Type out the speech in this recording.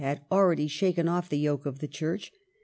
had already shaken off the yoke of the Church.